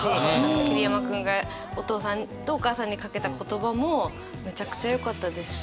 桐山君がお父さんとお母さんにかけた言葉もめちゃくちゃよかったですし